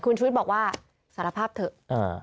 คุณชุวิตบอกว่าสารภาพเถอะ